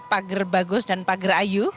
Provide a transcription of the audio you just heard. pager bagus dan pager ayu